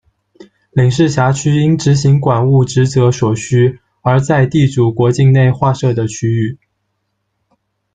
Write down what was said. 领事辖区因执行馆务职责所需，而在地主国境内划设的区域。